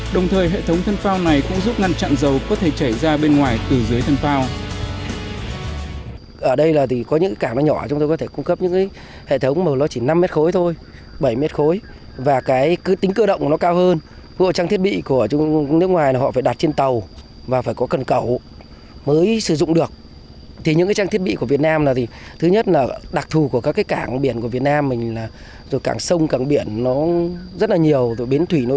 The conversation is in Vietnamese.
đồng thời hệ thống thân phao này cũng giúp ngăn chặn dầu có thể chảy ra bên ngoài từ dưới thân phao